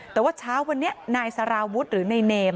แต่ว่าเช้าวันนี้นายสารวุฒิหรือนายเนม